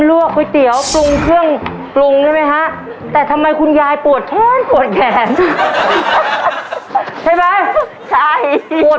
ลั่วคุยเต๋ียวปรุงเครื่องปรุงได้ไหมฮะแต่ทำไมคุณ